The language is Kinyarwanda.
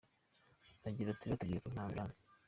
Agira ati “Batubwiye ko nta ngurane.